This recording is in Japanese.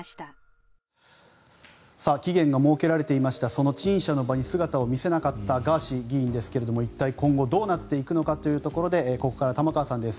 その陳謝の場に姿を見せなかったガーシー議員ですけれど一体今後どうなっていくのかというところでここから玉川さんです。